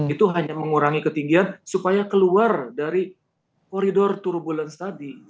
itu hanya mengurangi ketinggian supaya keluar dari koridor turbulensi tadi